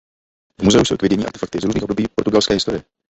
V muzeu jsou k vidění artefakty z různých období portugalské historie.